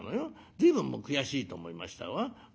随分悔しいと思いましたわ。